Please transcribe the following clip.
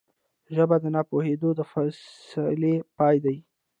ژبه د نه پوهېدو د فاصلې پای ده